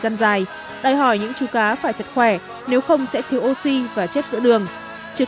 dân dài đòi hỏi những chú cá phải thật khỏe nếu không sẽ thiếu oxy và chết giữa đường trường